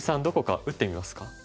どこか打ってみますか？